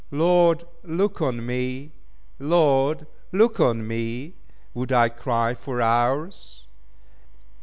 "Lord look on me! Lord look on me!" would I cry for hours.